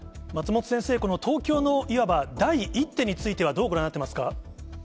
松本先生、この東京のいわば第１手については、どうご覧になっていますか。